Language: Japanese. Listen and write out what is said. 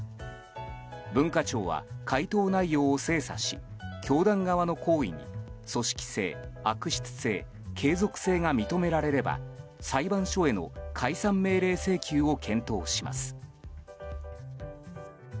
文化庁は回答内容を精査し教団側の行為に組織性、悪質性、継続性が認められれば裁判所への解散命令請求を検討します。